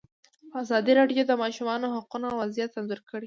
ازادي راډیو د د ماشومانو حقونه وضعیت انځور کړی.